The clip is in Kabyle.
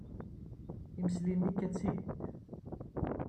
Imesli-nni yekka-d seg-ihin.